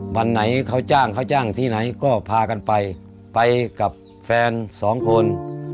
วันไหนเขาจ้างเขาจ้างที่ไหนก็พากันไปไปกับแฟนสองคน